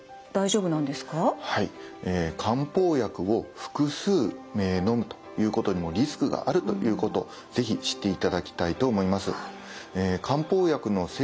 漢方薬を複数のむということにもリスクがあるということを是非知っていただきたいと思います。